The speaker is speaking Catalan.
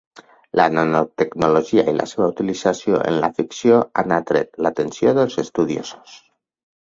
La nanotecnologia i la seva utilització en la ficció han atret l'atenció dels estudiosos.